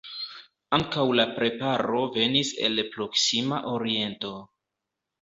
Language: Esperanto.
Ankaŭ la preparo venis el proksima oriento.